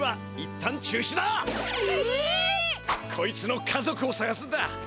こいつの家族をさがすんだ。